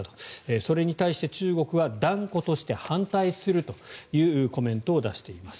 それに対して中国は断固として反対するというコメントを出しています。